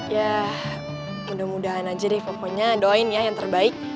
ya mudah mudahan aja deh pokoknya doin ya yang terbaik